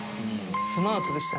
スマートでしたね